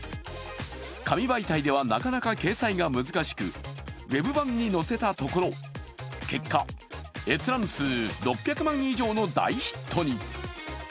紙媒体ではなかなか掲載が難しくウェブ版に載せたところ結果閲覧数６００万以上の大ヒットに。